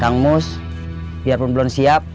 kang mus biarpun belum siap